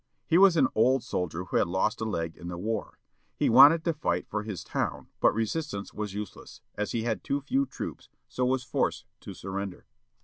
He was an old soldier who had lost a leg in war. He wanted to fight for his town but resistance was useless, as he had too few troops, so was forced to surrender.